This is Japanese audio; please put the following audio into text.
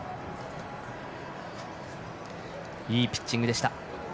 いいピッチングでした。